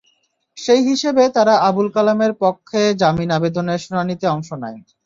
সেই হিসেবে তাঁরা আবুল কালামের পক্ষে জামিন আবেদনের শুনানিতে অংশ নেন।